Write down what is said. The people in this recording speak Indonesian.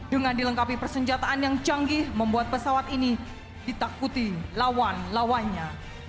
dengan dilengkapi persenjataan yang canggih membuat pesawat ini ditakuti lawan lawannya